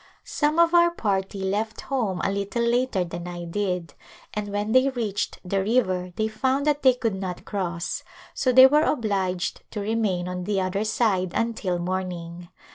Some of our party left home a little later than I did and when they reached the river they found that they could not cross so they were obliged to remain on the other side until morning.